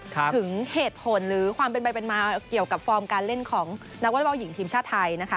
ถึงเหตุผลหรือความเป็นไปเป็นมาเกี่ยวกับฟอร์มการเล่นของนักวอเล็กบอลหญิงทีมชาติไทยนะคะ